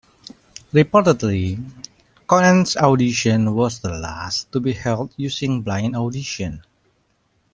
Reportedly, Conant's audition was the last to be held using blind audition.